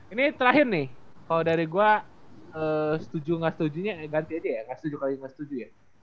ini terakhir nih kalau dari gue setuju nggak setujunya ganti aja ya nggak setuju kali gak setuju ya